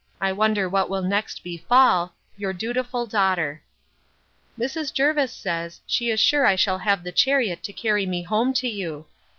I wonder what will next befall Your dutiful DAUGHTER. Mrs. Jervis says, she is sure I shall have the chariot to carry me home to you.